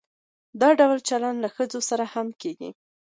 دا ډول چلند له ښځو سره هم کیږي.